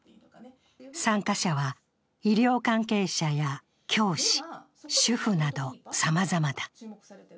参加者は医療関係者や教師、主婦などさまざまだ。